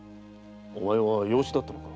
お前は養子だったのか。